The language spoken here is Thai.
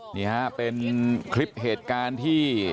นี่ฮะเป็นคลิปเหตุการณ์ที่